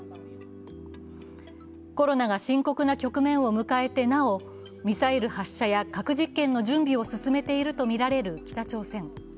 コロナが深刻な局面を迎えてなおミサイル発射や核実験の準備を進めているとみられる北朝鮮。